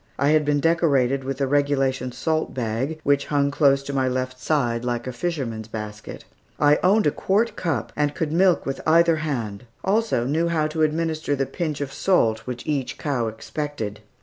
I had been decorated with the regulation salt bag, which hung close to my left side, like a fisherman's basket. I owned a quart cup and could milk with either hand, also knew how to administer the pinch of salt which each cow expected.